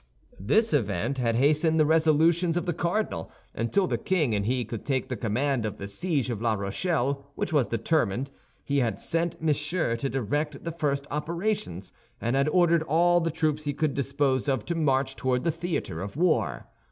This event had hastened the resolutions of the cardinal; and till the king and he could take the command of the siege of La Rochelle, which was determined, he had sent Monsieur to direct the first operations, and had ordered all the troops he could dispose of to march toward the theater of war.